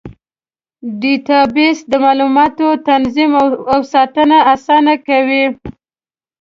ډیټابیس د معلوماتو تنظیم او ساتنه اسانه کوي.